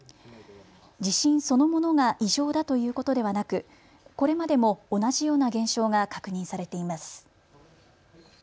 地震そのものが異常だということではなく、これまでも同じような現象が確認されています。